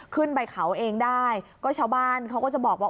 ขึ้นไปเขาเองได้ก็ชาวบ้านเขาก็จะบอกว่า